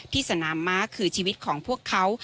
สนามม้าคือชีวิตของพวกเขา